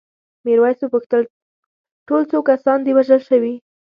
میرويس وپوښتل ټول څو کسان دي وژل شوي؟